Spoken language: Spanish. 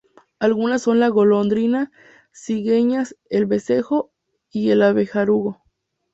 Algunas son la golondrina, cigüeñas, el vencejo y el abejaruco.